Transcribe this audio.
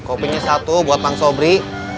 kopinya satu buat bang sobri